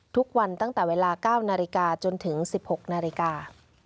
ทุกวันตั้งแต่เวลา๙นาฬิกาจนถึง๑๖นาฬิกา